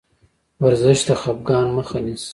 ورزش د خفګان مخه نیسي.